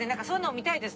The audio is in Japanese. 見たいです。